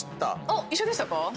一緒でしたか。